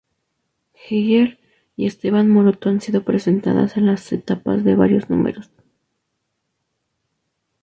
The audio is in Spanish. Giger y Esteban Maroto han sido presentadas en las tapas de varios números.